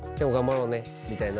みたいな。